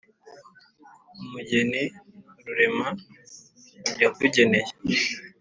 umugeni rurema yakugeneye